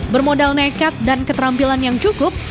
bermodal nekat dan keterampilan yang cukup